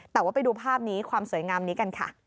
แต่ว่าไปดูภาพนี้ความสวยงามนี้กันค่ะ